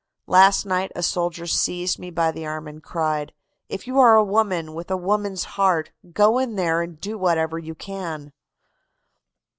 "Last night a soldier seized me by the arm and cried: 'If you are a woman with a woman's heart, go in there and do whatever you can.